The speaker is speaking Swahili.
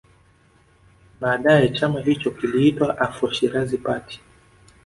Baadae chama hicho kiliitwa Afro Shirazi Party